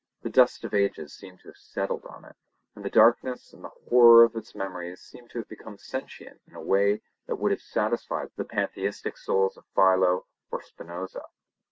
The dust of ages seemed to have settled on it, and the darkness and the horror of its memories seem to have become sentient in a way that would have satisfied the Pantheistic souls of Philo or Spinoza.